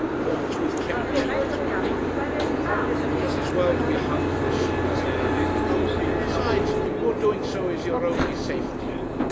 'What, with Clementina's money?' 'It's as well to be hung for a sheep as a lamb. Besides, your doing so is your only safety.